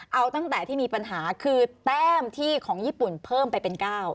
เอาตั้งแต่ที่มีปัญหาคือแต้มที่ของญี่ปุ่นเพิ่มไปเป็น๙